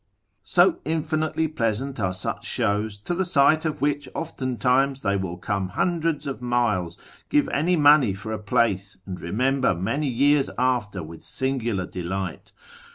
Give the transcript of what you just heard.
So infinitely pleasant are such shows, to the sight of which oftentimes they will come hundreds of miles, give any money for a place, and remember many years after with singular delight.